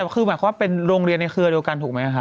คือหมายความว่าเป็นโรงเรียนในเครือเดียวกันถูกไหมคะ